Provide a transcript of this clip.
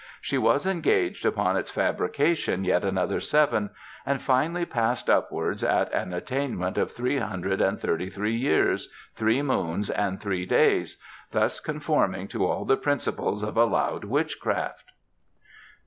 She was engaged upon its fabrication yet another seven, and finally Passed Upwards at an attainment of three hundred and thirty three years, three moons, and three days, thus conforming to all the principles of allowed witchcraft."